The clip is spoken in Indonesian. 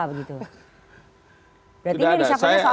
berarti ini disampaikan soal politik